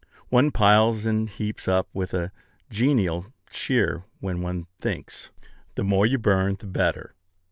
One piles and heaps up with a genial cheer when one thinks, "The more you burn, the better."